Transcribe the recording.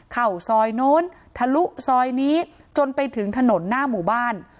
เข้าซอยโน้นทะลุซอยนี้จนไปถึงถนนหน้าหมู่บ้าน